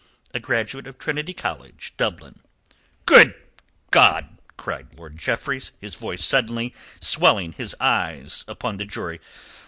"A graduate of Trinity College, Dublin." "Good God!" cried Lord Jeffreys, his voice suddenly swelling, his eyes upon the jury.